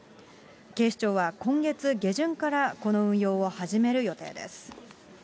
警視庁は、今月下旬からこの運用を始める予定です。